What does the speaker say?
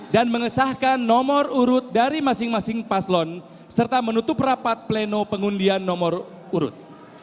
dan mengesahkan nomor urut dari masing masing paslon serta menutup rapat pleno pengundian nomor urut